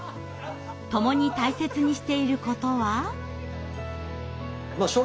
共に大切にしていることは。